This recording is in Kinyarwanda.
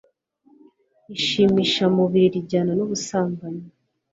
Ishimisha mubiri rijyana n'ubusambanyi